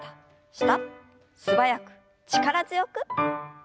素早く力強く。